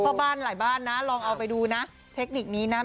บ้านหลายบ้านนะลองเอาไปดูนะเทคนิคนี้นะ